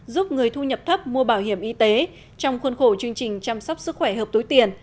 giúp người thu nhập thấp mua bảo hiểm y tế trong khuôn khổ chương trình chăm sóc sức khỏe hợp túi tiền